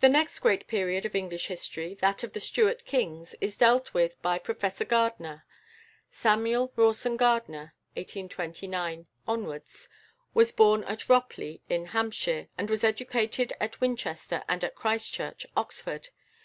The next great period of English history, that of the Stuart kings, is dealt with by Professor Gardiner. =Samuel Rawson Gardiner (1829 )= was born at Ropley, in Hampshire, and was educated at Winchester and at Christ Church, Oxford.